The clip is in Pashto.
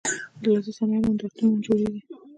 د لاسي صنایعو نندارتونونه جوړیږي؟